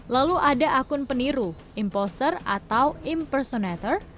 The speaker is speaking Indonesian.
lalu ada akun peniru imposter atau impersonator